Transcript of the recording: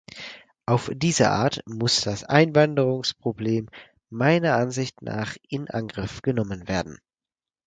Auf diese Art muss das Einwanderungsproblem meiner Ansicht nach in Angriff genommen werden.